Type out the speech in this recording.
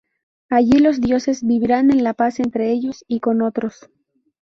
Allí, los dioses vivirán en la paz entre ellos y con otros.